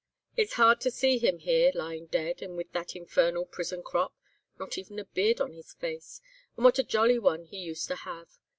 It's hard to see him here lying dead, and with that infernal prison crop, not even a beard on his face, and what a jolly one he used to have.